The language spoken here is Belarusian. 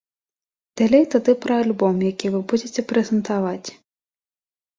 Далей тады пра альбом, які вы будзеце прэзентаваць.